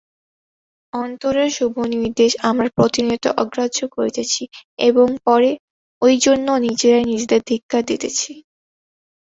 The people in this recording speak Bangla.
অন্তরের শুভনির্দেশ আমরা প্রতিনিয়ত অগ্রাহ্য করিতেছি এবং পরে ঐজন্য নিজেরাই নিজেদের ধিক্কার দিতেছি।